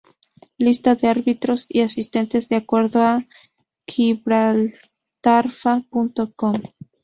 Lista de árbitros y asistentes de acuerdo a gibraltarfa.com.